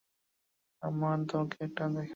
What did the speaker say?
আমার দলকে এটা দেখাই।